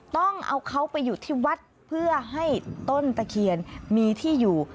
ต้องเอาเขาไปอยู่ที่วัดเพื่อให้ต้นตะเคียนมีที่อยู่